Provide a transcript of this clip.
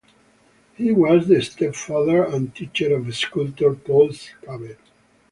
He was the stepfather and teacher of sculptor Paul Cabet.